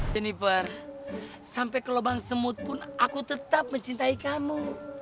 jennifer sampai ke lubang semut pun aku tetap mencintai kamu